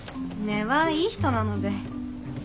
根はいい人なので。